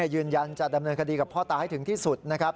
ยืนยันจะดำเนินคดีกับพ่อตาให้ถึงที่สุดนะครับ